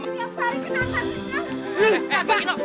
tiap hari kenapa kenapa